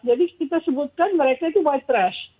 jadi kita sebutkan mereka itu white trash